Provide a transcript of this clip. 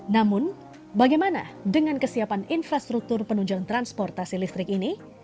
namun bagaimana dengan kesiapan infrastruktur penunjang transportasi listrik ini